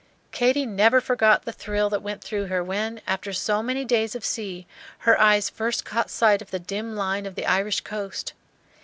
Katy never forgot the thrill that went through her when, after so many days of sea, her eyes first caught sight of the dim line of the Irish coast.